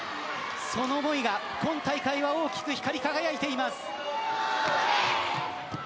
その思いが今大会は大きく光り輝いています。